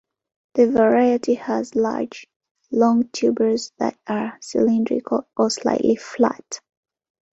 The variety has large, long tubers that are cylindrical or slightly flat.